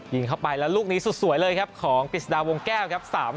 ยิงเข้าไปแล้วลูกนี้สุดสวยเลยครับของปริศดาวงแก้วครับ